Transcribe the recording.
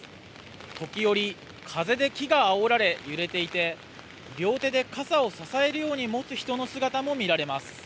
時折、風で木があおられ揺れていて両手で傘を支えるように持つ人の姿も見られます。